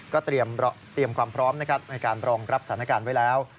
ก็เตรียมความพร้อมนะครับในการรองรับสถานการณ์ไว้แล้ว